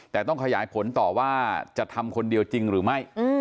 แต่ต้องขยายผลต่อว่าจะทำคนเดียวจริงหรือไม่